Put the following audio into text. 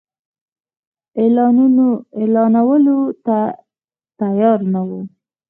اعلانولو ته تیار نه وو.